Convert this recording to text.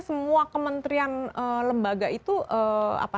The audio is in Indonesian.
semua kementerian lembaga itu apa